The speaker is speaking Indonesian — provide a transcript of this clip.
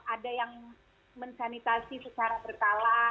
ada yang mensanitasi secara berkala